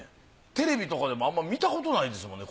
テレビとかでもあんまり見たことないですもんね。